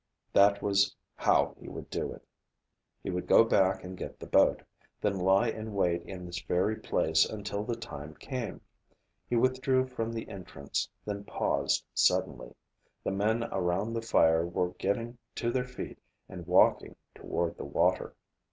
That was how he would do it. He would go back and get the boat, then lie in wait in this very place until the time came. He withdrew from the entrance, then paused suddenly. The men around the fire were getting to their feet and walking toward the water.